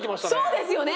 そうですよね。